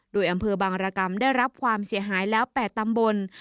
โดยอำเภอบางรกรรมได้รับความเสียหายแล้ว๘ตำบล